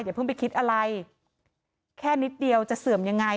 เพิ่งไปคิดอะไรแค่นิดเดียวจะเสื่อมยังไง